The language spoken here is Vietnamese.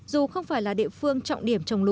dù không phải là địa phương